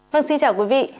vâng xin chào quý vị